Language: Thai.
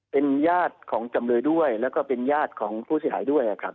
เป็นญาติของจำเลยด้วยแล้วก็เป็นญาติของผู้เสียหายด้วยครับ